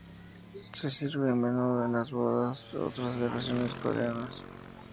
Se sirve a menudo en las bodas y otras celebraciones coreanas.